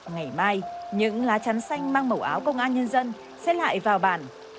ngày mai những lá trắng xanh mang màu áo công an nhân dân sẽ lại vào bàn